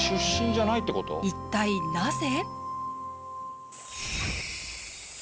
一体なぜ？